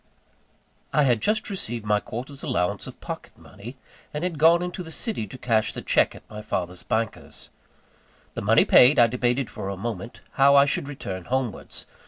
I had just received my quarter's allowance of pocket money, and had gone into the city to cash the cheque at my father's bankers. The money paid, I debated for a moment how I should return homewards.